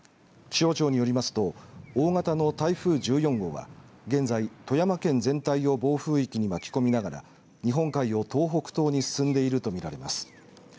気象庁によりますと大型の台風１４号は現在、富山県全体を暴風域に巻き込みながら日本海を東北東に進んでいるとみられます。